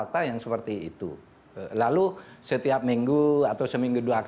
saya bertanggung jawab